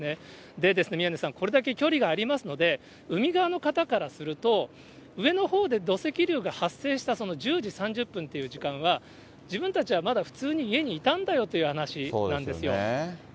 でですね、宮根さん、これだけ距離がありますので、海側の方からすると、上のほうで土石流が発生した１０時３０分という時間は、自分たちはまだ普通に家にいたんだよという話なんですよ。